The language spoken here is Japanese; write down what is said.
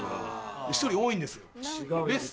１人多いんですよ。